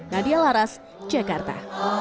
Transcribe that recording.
nadia laras jakarta